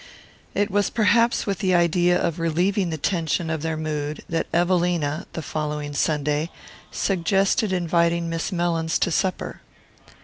It was perhaps with the idea of relieving the tension of their mood that Evelina, the following Sunday, suggested inviting Miss Mellins to supper.